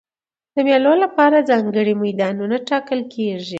د مېلو له پاره ځانګړي میدانونه ټاکل کېږي.